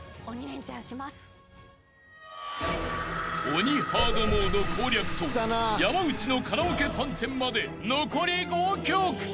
［鬼ハードモード攻略と山内のカラオケ参戦まで残り５曲］